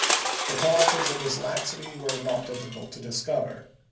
The causes of this laxity were not difficult to discover.